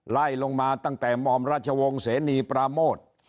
ไล่ลงมาตั้งแต่มอมราชวงศ์เสนีปราโมท